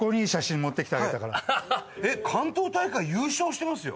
えっ関東大会優勝してますよ！